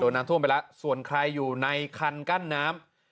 น้ำท่วมไปแล้วส่วนใครอยู่ในคันกั้นน้ำ